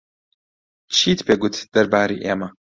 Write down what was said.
چیت پێ گوت دەربارەی ئێمە؟